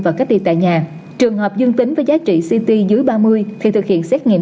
và cách ly tại nhà trường hợp dương tính với giá trị ct dưới ba mươi thì thực hiện xét nghiệm